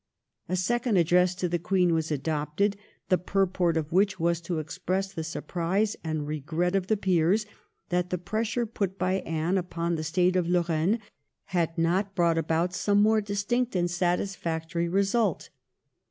A second Address to the Queen was adopted, the pur port of which was to express the surprise and regret of the Peers that the pressure put by Anne upon the State of Lorraine had not brought about some more distinct and satisfactory result.